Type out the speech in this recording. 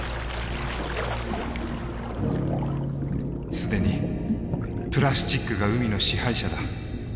既にプラスチックが海の支配者だ。